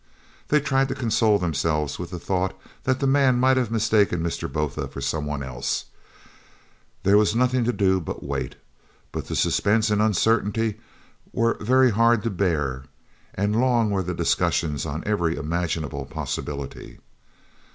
They tried to console themselves with the thought that the man might have mistaken Mr. Botha for some one else. There was nothing to do but wait, but the suspense and uncertainty were very hard to bear, and long were the discussions over every imaginable possibility.